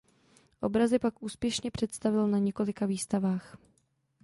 Obrazy pak úspěšně představil na několika výstavách.